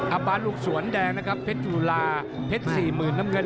อัมบาตลูกสวนแดงนะครับเพชรฟุราเพชรสี่หมื่นน้ำเงิน